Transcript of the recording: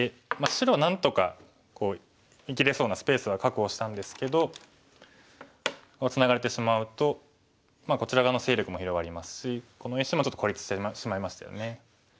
白なんとか生きれそうなスペースは確保したんですけどこうツナがれてしまうとこちら側の勢力も広がりますしこの石もちょっと孤立してしまいましたよね。